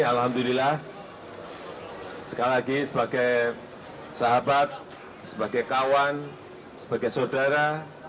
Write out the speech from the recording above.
alhamdulillah sekali lagi sebagai sahabat sebagai kawan sebagai saudara